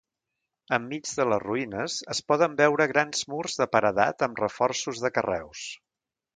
Enmig de les ruïnes, es poden veure grans murs de paredat amb reforços de carreus.